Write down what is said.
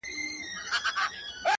o قربانو مخه دي ښه؛